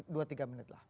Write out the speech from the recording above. dua tiga menit lah